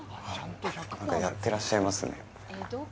なんかやってらっしゃいますね。